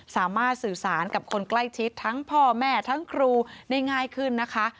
สามารถสื่อสารกับคนใกล้ชิดทั้งพ่อแม่ทั้งครูได้ง่ายขึ้นนะคะ